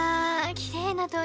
きれいな鳥。